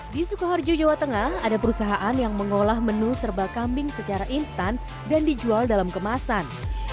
di sukoharjo jawa tengah ada perusahaan yang mengolah menu serba kambing secara instan dan dijual dalam kemasan